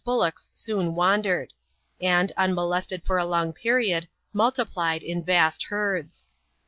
211 locks soon wandered ; and, unmolested for a long period, multi plied in vast herds.